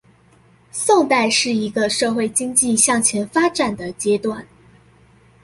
宋代是一個社會經濟向前發展的階段